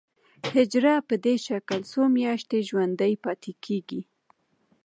حجره په دې شکل څو میاشتې ژوندی پاتې کیږي.